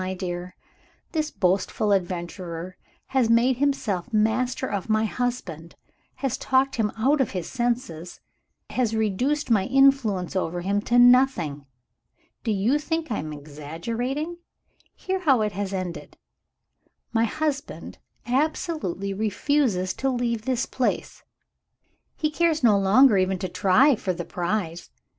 My dear, this boastful adventurer has made himself master of my husband, has talked him out of his senses, has reduced my influence over him to nothing. Do you think I am exaggerating? Hear how it has ended. My husband absolutely refuses to leave this place. He cares no longer even to try for the prize.